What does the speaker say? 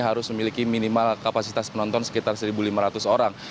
harus memiliki minimal kapasitas penonton sekitar satu lima ratus orang